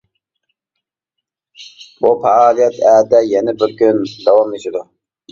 بۇ پائالىيەت ئەتە يەنە بىر كۈن داۋاملىشىدۇ.